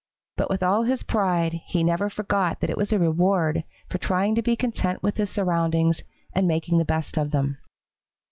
But with all his pride he never forgot that it was a reward for trying to be content with his surroundings and making the best of them.